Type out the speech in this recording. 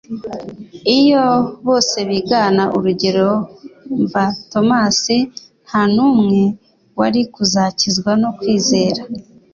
Iyo bose bigana urugero mva Tomasi, nta n'umwe wari kuzakizwa no kwizera,